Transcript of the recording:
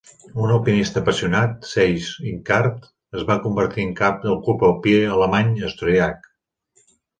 Un alpinista apassionat, Seyss-Inquart es va convertir en cap del Club Alpí alemany-austríac.